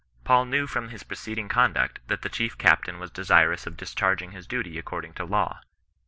Paul knew irom his preceding conduct, that the chief captain was desirous of discharging his duty according to law.